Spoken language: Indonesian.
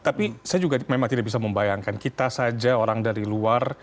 tapi saya juga memang tidak bisa membayangkan kita saja orang dari luar